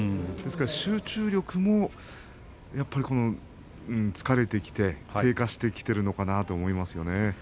集中力もやはり疲れてきて低下してきているのかなと思いますね。